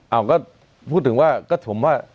เอาก็พูดถึงว่าก็ถมว่า